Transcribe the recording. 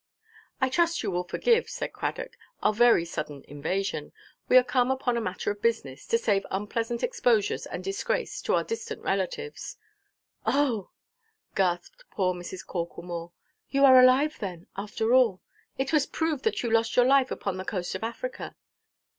"I trust you will forgive," said Cradock, "our very sudden invasion. We are come upon a matter of business, to save unpleasant exposures and disgrace to our distant relatives." "Oh," gasped poor Mrs. Corklemore, "you are alive, then, after all? It was proved that you had lost your life upon the coast of Africa."